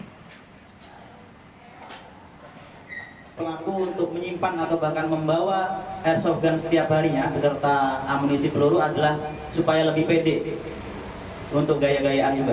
pelaku untuk menyimpan atau bahkan membawa airsoft gun setiap harinya beserta amunisi peluru adalah supaya lebih pede untuk gaya gayaannya mbak